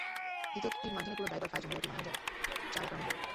দ্বিতীয়টির মাধ্যমে পুরো driver file সংগ্রহটি নামানো যাবে, যার আকার অনেক বড়।